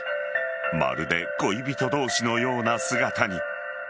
まるで恋人同士のような姿に。